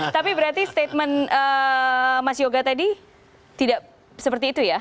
tapi berarti statement mas yoga tadi tidak seperti itu ya